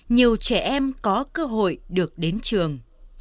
nhiều trẻ em có cơ hội được đến trường